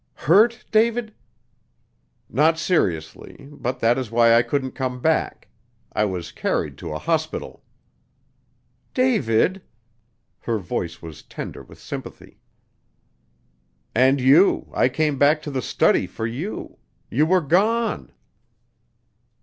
"Hurt, David?" "Not seriously, but that is why I couldn't come back. I was carried to a hospital." "David!" Her voice was tender with sympathy. "And you I came back to the study for you. You were gone."